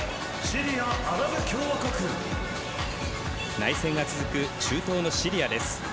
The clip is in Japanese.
内戦が続く中東のシリアです。